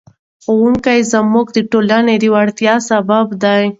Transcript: ښوونکي زموږ د ټولنې د ویاړ سبب دي.